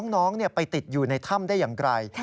น้องไปติดอยู่ในถ้ำได้อย่างไร